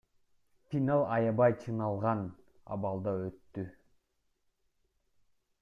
Финал аябай чыңалган абалда өттү.